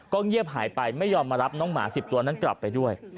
เงียบหายไปไม่ยอมมารับน้องหมา๑๐ตัวนั้นกลับไปด้วย